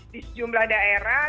di sejumlah daerah